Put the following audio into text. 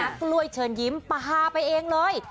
กล้วยเชิญยิ้มปลาไปเองเลย